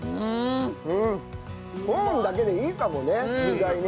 コーンだけでいいかもね具材ね。